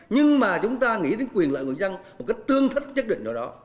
nhưng mà chúng ta nghĩ đến quyền lợi người dân một cái tương thất chất định ở đó